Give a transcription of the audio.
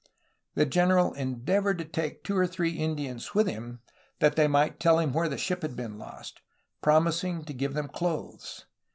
The general endeavored to take two or three Indians with him, that they might tell him where the ship had been lost, promising to give them clothes.